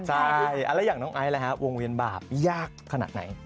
ใช่แล้วอย่างน้องไอซ์วงเวียนบาปยากขนาดไหน